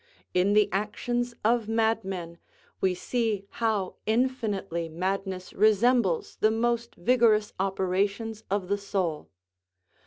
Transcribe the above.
In the actions of madmen we see how infinitely madness resembles the most vigorous operations of the soul.